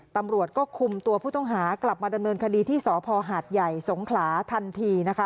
ตำรวจก็คุมตัวผู้ต้องหากลับมาดำเนินคดีที่สพหาดใหญ่สงขลาทันทีนะคะ